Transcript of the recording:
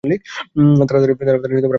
তাড়াতাড়ি আসো আনিশা।